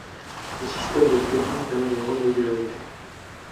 Le système de plugins permet une grande modularité.